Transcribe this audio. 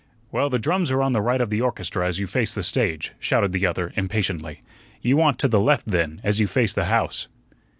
"Well, the drums are on the right of the orchestra as you face the stage," shouted the other impatiently; "you want to the left, then, as you face the house."